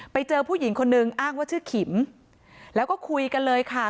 ไปเจอผู้หญิงคนนึงอ้างว่าชื่อขิมแล้วก็คุยกันเลยค่ะ